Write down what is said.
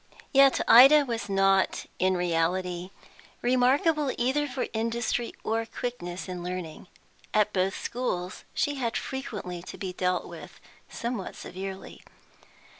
Yet Ida was not in reality remarkable either for industry or quickness in learning. At both schools she had frequently to be dealt with somewhat severely.